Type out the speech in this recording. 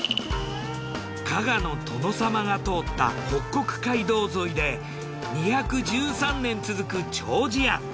加賀の殿様が通った北国街道沿いで２１３年続く丁子庵。